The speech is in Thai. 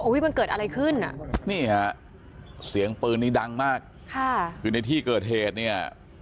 มันเกิดอะไรขึ้นอ่ะนี่ฮะเสียงปืนนี้ดังมากค่ะคือในที่เกิดเหตุเนี่ย